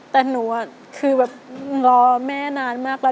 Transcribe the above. แต่หนูคือแบบรอแม่นานมากแล้ว